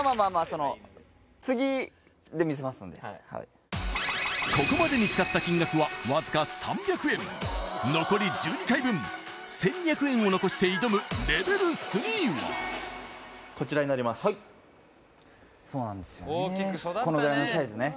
そのここまでに使った金額はわずか３００円残り１２回分１２００円を残して挑むレベル３はこちらになりますはいそうなんですよね